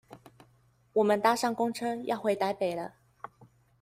我們搭上公車要回台北了